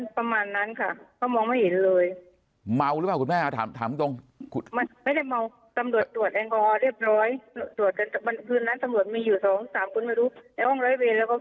ประมาณนั้นครับเขามองไม่เห็นเลย